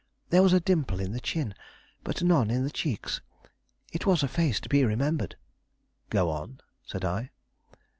There was a dimple in the chin, but none in the cheeks. It was a face to be remembered." "Go on," said I.